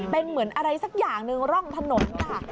เป็นเหมือนอะไรสักอย่างหนึ่งร่องถนนค่ะ